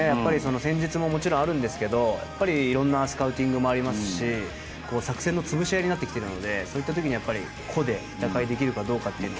戦術ももちろんあるんですけどいろんなスカウティングもありますし作戦の潰し合いになってきているのでそういう時に個で打開できるかどうかというのは。